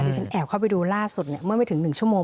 ที่ฉันแอบเข้าไปดูล่าสุดเนี่ยเมื่อไม่ถึง๑ชั่วโมง